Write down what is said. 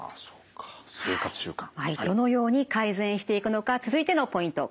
どのように改善していくのか続いてのポイント